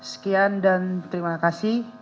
sekian dan terima kasih